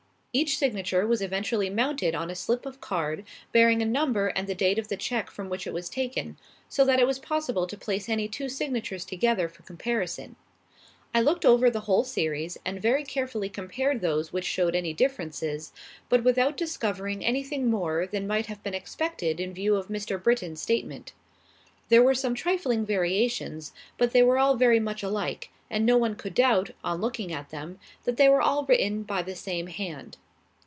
Each signature was eventually mounted on a slip of card bearing a number and the date of the cheque from which it was taken, so that it was possible to place any two signatures together for comparison. I looked over the whole series and very carefully compared those which showed any differences, but without discovering anything more than might have been expected in view of Mr. Britton's statement. There were some trifling variations, but they were all very much alike, and no one could doubt, on looking at them, that they were all written by the same hand.